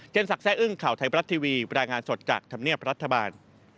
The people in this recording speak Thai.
ศักดิ์อึ้งข่าวไทยบรัฐทีวีรายงานสดจากธรรมเนียบรัฐบาล